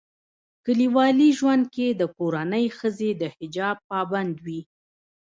کلیوالي ژوندکي دکورنۍښځي دحجاب پابند وي